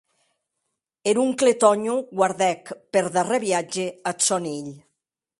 Er oncle Tònho guardèc per darrèr viatge ath sòn hilh.